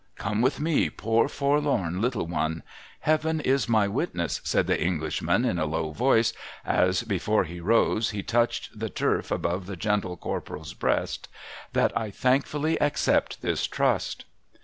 Come with me, poor forlorn little one. Heaven is my witness,' said the Englishman, in a low voice, as, before he rose, he touched the turf above the gentle Corporal's breast, ' that I thankfully accept this trust